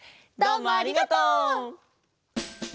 どうもありがとう！